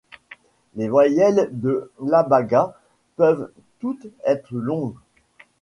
Les voyelles de l'abaga peuvent toutes être longues.